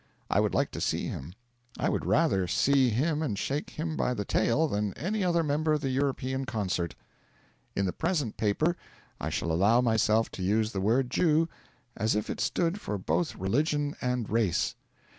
I would like to see him. I would rather see him and shake him by the tail than any other member of the European Concert. In the present paper I shall allow myself to use the word Jew as if it stood for both religion and race.